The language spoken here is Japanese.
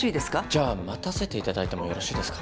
じゃあ待たせていただいてもよろしいですか？